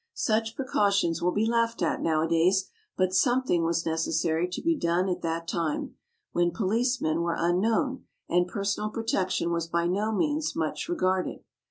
Such precautions will be laughed at now a days, but something was necessary to be done at that time, when policemen were unknown, and personal protection was by no means much regarded.